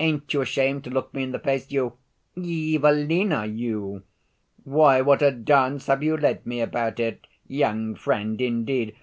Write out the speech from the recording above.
ain't you ashamed to look me in the face, you Evelina, you! Why, what a dance have you led me about it! Young friend, indeed!